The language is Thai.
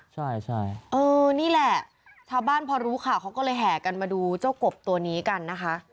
ใช่ใช่เออนี่แหละชาวบ้านพอรู้ข่าวเขาก็เลยแห่กันมาดูเจ้ากบตัวนี้กันนะคะ